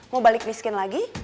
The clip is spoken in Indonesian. mau balik miskin lagi